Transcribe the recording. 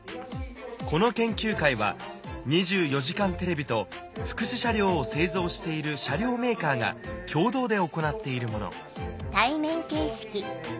この研究会は『２４時間テレビ』と福祉車両を製造している車両メーカーが共同で行っているもの